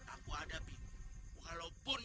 aku ada api walaupun